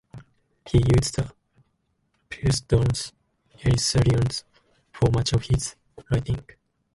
He used the pseudonym 'Elisarion' for much of his writing.